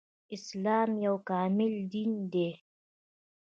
اسلام يو کامل دين دی